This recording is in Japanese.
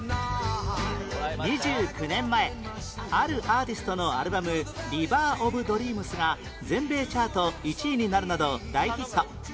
２９年前あるアーティストのアルバム『リバー・オブ・ドリームス』が全米チャート１位になるなど大ヒット